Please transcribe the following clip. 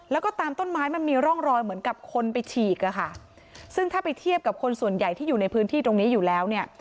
แล้วก็ตามต้นไม้มันมีร่องรอยเหมือนกับคนไปฉีกอะค่ะซึ่งถ้าไปเทียบกับคนส่วนใหญ่ที่อยู่ในพื้นที่ตรงนี้อยู่แล้วเนี่ย